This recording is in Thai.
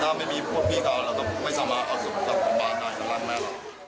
ถ้าไม่มีพวกพี่ครับเราก็ไม่สามารถเอาโสบทบบาลกับแม่เรา